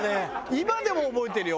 今でも覚えてるよ。